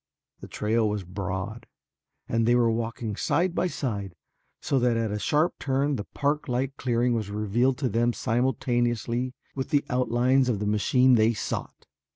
The trail was broad, and they were walking side by side so that at a sharp turn the park like clearing was revealed to them simultaneously with the outlines of the machine they sought.